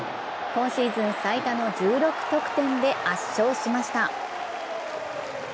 今シーズン最多の１６得点で圧勝しました。